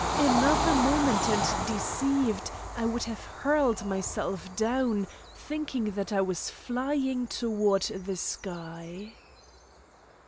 Another moment and deceived, I would have hurled myself down, thinking that I was flying toward the sky.